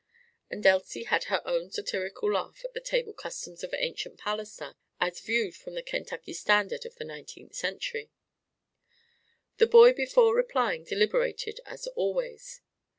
and Elsie had her own satirical laugh at the table customs of ancient Palestine as viewed from the Kentucky standard of the nineteenth century. The boy before replying deliberated as always.